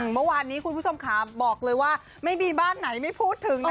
เมื่อวานนี้คุณผู้ชมขาบอกเลยว่าไม่มีบ้านไหนไม่พูดถึงนะ